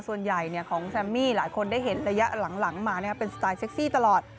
ส่วนใหญ่ของแซมมี่หลายคนได้เห็นระยะหลังมาเป็นสไตลเซ็กซี่ตลอด